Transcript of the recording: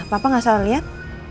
papa gak salah liat